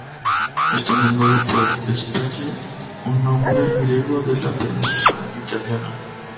Está nombrado por Hesperia, un nombre griego de la península italiana.